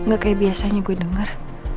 gak kayak biasanya gue dengar